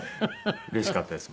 うれしかったです